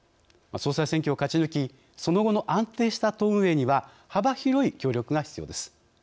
総裁選挙を勝ち抜きその後の安定した党運営には幅広い協力が必要です。